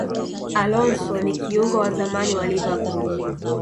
alonso ni kiungo wa zamani wa liverpool